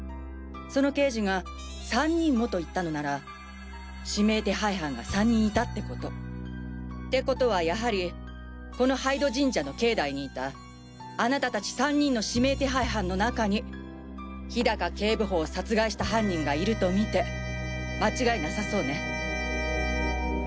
その刑事が「３人も」と言ったのなら指名手配犯が３人いたってこと。ってことはやはりこの杯戸神社の境内にいたあなた達３人の指名手配犯の中に氷高警部補を殺害した犯人がいると見て間違いなさそうね。